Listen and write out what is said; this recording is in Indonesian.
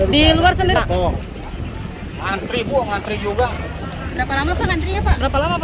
di luar sendiri pak